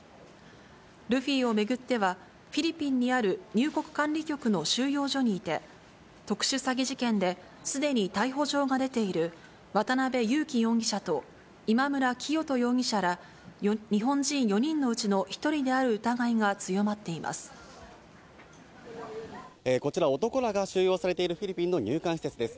ルフィを巡っては、フィリピンにある入国管理局の収容所にいて、特殊詐欺事件ですでに逮捕状が出ている渡辺優樹容疑者と、今村磨人容疑者ら日本人４人のうちの１人である疑いが強まっていこちら、男らが収容されているフィリピンの入管施設です。